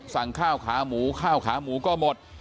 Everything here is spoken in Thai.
สั่งข้าวขาหมูข้าวขาหมูก็หมด